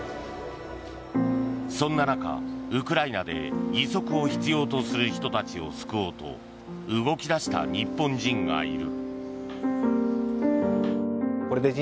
そんな中、ウクライナで義足を必要とする人たちを救おうと動き出した日本人がいる。